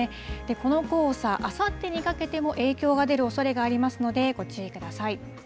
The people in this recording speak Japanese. この黄砂、あさってにかけても影響が出るおそれがありますので、ご注意ください。